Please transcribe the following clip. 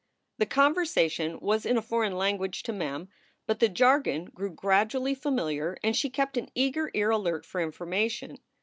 The conversation was in a foreign language to Mem, but the jargon grew gradually familiar and she kept an eager ear alert for information.